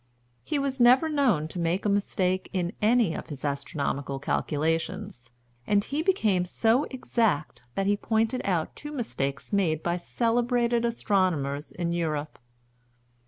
He was never known to make a mistake in any of his astronomical calculations; and he became so exact, that he pointed out two mistakes made by celebrated astronomers in Europe.